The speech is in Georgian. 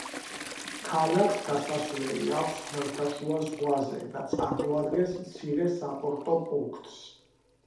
ქალაქს გასასვლელი აქვს ხმელთაშუა ზღვაზე და წარმოადგენს მცირე საპორტო პუნქტს.